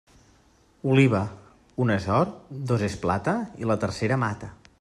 Oliva, una és or, dos és plata, i la tercera mata.